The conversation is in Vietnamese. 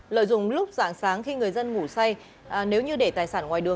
lợi dụng lúc dạng sáng khi người dân ngủ say nếu như để tài sản ngoài đường